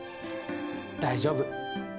大丈夫。